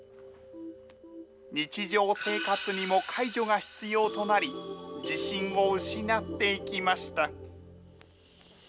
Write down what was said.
日常生活にも介助が必要となり、自信を失っていきました。